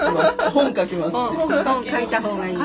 本書いた方がいい。